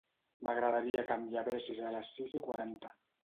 M'agradaria que em llevessis a les sis i quaranta.